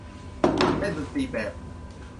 เล่นดนตรีแบบ